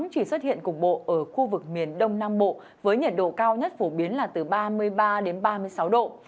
chỉ xuất hiện cục bộ ở khu vực miền đông nam bộ với nhiệt độ cao nhất phổ biến là từ ba mươi ba đến ba mươi sáu độ